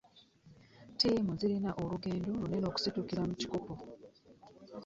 Ttiimu zirina olunene okusitukira mu kikopo.